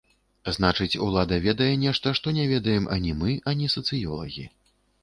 Значыць, улада ведае нешта, што не ведаем ані мы, ані сацыёлагі.